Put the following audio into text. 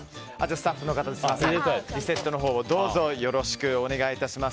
スタッフの方リセットをよろしくお願いします。